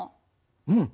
うん。